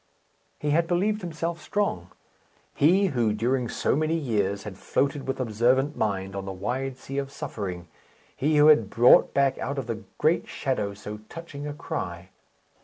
He had believed himself strong he who, during so many years, had floated with observant mind on the wide sea of suffering; he who had brought back out of the great shadow so touching a cry.